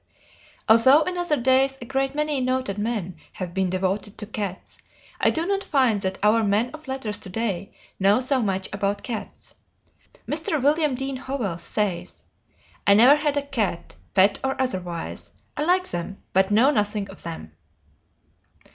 Although in other days a great many noted men have been devoted to cats, I do not find that our men of letters to day know so much about cats. Mr. William Dean Howells says: "I never had a cat, pet or otherwise. I like them, but know nothing of them."